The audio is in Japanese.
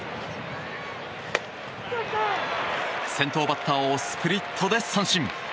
先頭バッターをスプリットで三振。